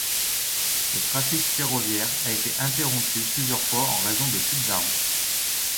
Le trafic ferroviaire a été interrompu plusieurs fois en raison de chutes d'arbres.